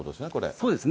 そうですね。